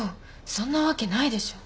そんなわけないでしょ。